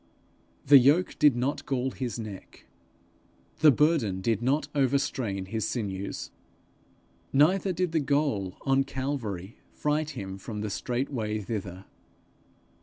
The yoke did not gall his neck, the burden did not overstrain his sinews, neither did the goal on Calvary fright him from the straight way thither.